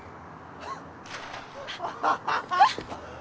アハハハハ！